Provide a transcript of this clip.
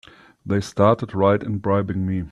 They started right in bribing me!